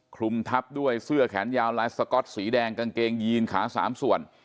คลุมทับด้วยเสื้อแขนยาวลายสก๊อตสีแดงกางเกงยีนขา๓ส่วน